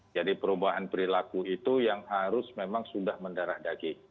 jadi perubahan perilaku itu yang harus memang sudah mendarah daging